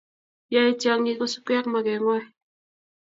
Yae tyong'ik kosubkey ak mageng'wa.